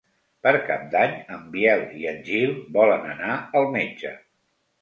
Per Cap d'Any en Biel i en Gil volen anar al metge.